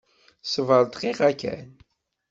Sbeṛ dqiqa kan!